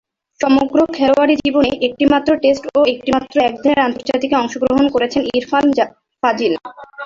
সমগ্র খেলোয়াড়ী জীবনে একটিমাত্র টেস্ট ও একটিমাত্র একদিনের আন্তর্জাতিকে অংশগ্রহণ করেছেন ইরফান ফাজিল।